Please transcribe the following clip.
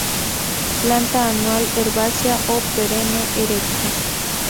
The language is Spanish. Planta anual herbácea, o perenne; erecta.